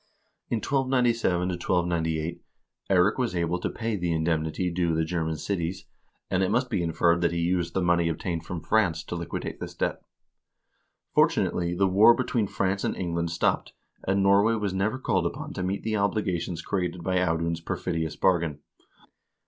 In 1297 1298 Eirik was able to pay the indemnity due the German cities, and it must be inferred that he used the money obtained from France to liquidate this debt. Fortunately the war between France and England stopped, and Nor way was never called upon to meet the obligations created by Audun's perfidious bargain.